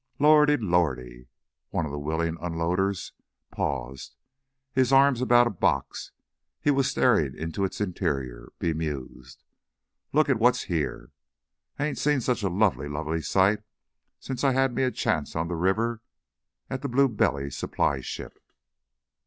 "Lordy! Lordy!" One of the willing unloaders paused, his arms about a box. He was staring into its interior, bemused. "Lookit what's heah! I ain't seen such a lovely, lovely sight since I had me a chance on the river at that blue belly supply ship!"